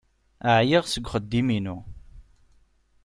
Ɛyiɣ seg uxeddim-inu.